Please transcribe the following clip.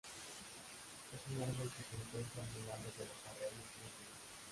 Es un árbol que se encuentra a lo largo de los arroyos y ríos.